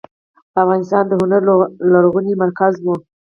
افغانستان د هنر لرغونی مرکز و.